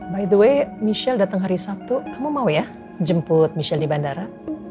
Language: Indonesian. by the way michelle datang hari sabtu kamu mau ya jemput michelle di bandara